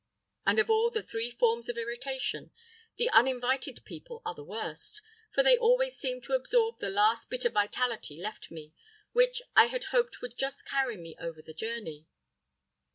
And of all the three forms of irritation, the uninvited people are the worst; for they always seem to absorb the last bit of vitality left me, which I had hoped would just carry me over the journey.